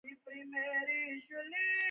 خو منظم کار نه دی پرې شوی.